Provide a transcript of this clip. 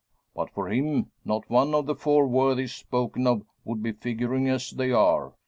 But for him, not one of the four worthies spoken of would be figuring as they are.